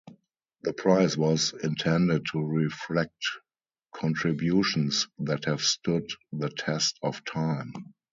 The Prize was intended to reflect contributions that have stood the test of time.